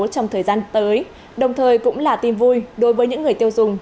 trong thời gian tới đồng thời cũng là tin vui đối với những người tiêu dùng